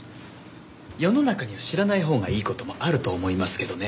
世の中には知らないほうがいい事もあると思いますけどね